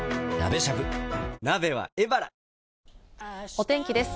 お天気です。